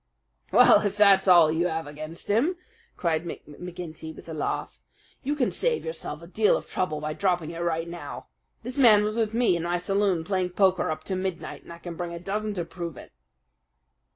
"Well, if that's all you have against him," cried McGinty with a laugh, "you can save yourself a deal of trouble by dropping it right now. This man was with me in my saloon playing poker up to midnight, and I can bring a dozen to prove it."